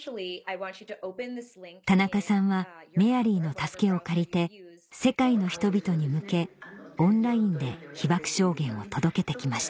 田中さんはメアリーの助けを借りて世界の人々に向けオンラインで被爆証言を届けて来ました